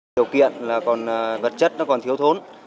điều kiện là còn vật chất nó còn thiếu thốn